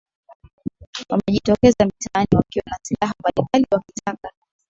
wamejitokeza mitaani wakiwa na silaha mbalimbali wakitaka